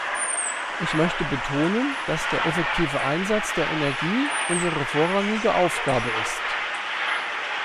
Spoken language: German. Ich möchte betonen, dass der effektive Einsatz der Energie unsere vorrangige Aufgabe ist.